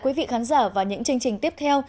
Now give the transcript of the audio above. quý vị khán giả vào những chương trình tiếp theo